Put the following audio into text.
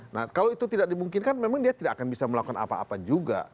nah kalau itu tidak dimungkinkan memang dia tidak akan bisa melakukan apa apa juga